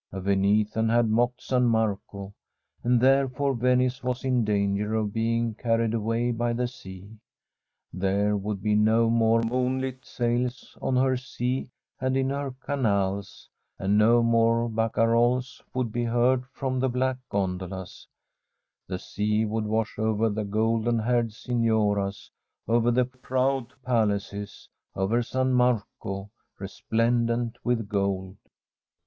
A Venetian had mocked San Marco, and therefore Venice was in danger of being carried away by the sea. There would be no more moonlight sails or her sea and From a SWEDISH HOMESTEAD in her canals, and no more barcaroles would be heard from her black gondolas. The sea would wash over the golden haired signoras, over the proud palaces, over San Marco, resplendent with gold.